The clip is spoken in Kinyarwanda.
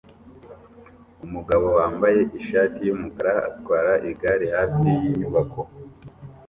Umugabo wambaye ishati yumukara atwara igare hafi yinyubako